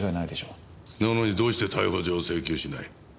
なのにどうして逮捕状を請求しない？